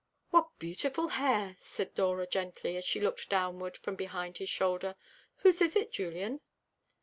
"What beautiful hair!" said Dora gently, as she looked downward from behind his shoulder. "Whose is it, Julian?"